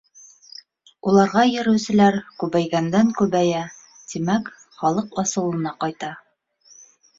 Уларға йөрөүселәр күбәйгәндән-күбәйә, тимәк, халыҡ асылына ҡайта.